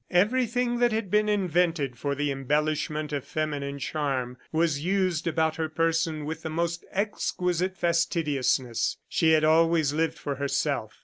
Everything that had been invented for the embellishment of feminine charm was used about her person with the most exquisite fastidiousness. She had always lived for herself.